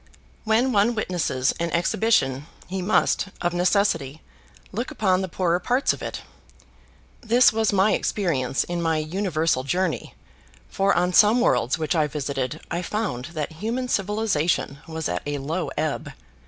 When one witnesses an exhibition he must, of necessity, look upon the poorer parts of it. This was my experience in my universal journey, for on some worlds which I visited I found that human civilization was at a low ebb.